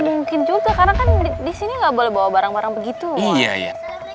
mungkin juga karena kan di sini nggak boleh bawa barang barang begitu ya